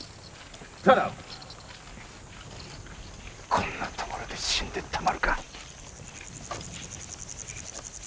こんなところで死んでたまるか。